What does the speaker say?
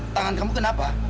tangan kamu kenapa